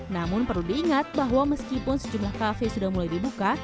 namun perlu diingat bahwa meskipun sejumlah kafe sudah mulai dibuka